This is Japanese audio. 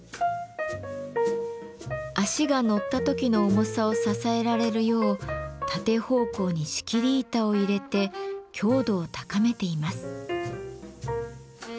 足が乗った時の重さを支えられるよう縦方向に仕切り板を入れて強度を高めています。